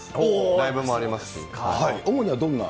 ライブもありますし。